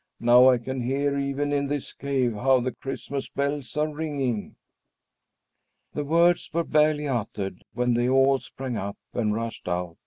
Now I can hear, even in this cave, how the Christmas bells are ringing." The words were barely uttered when they all sprang up and rushed out.